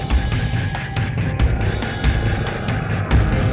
tidak ada apa apa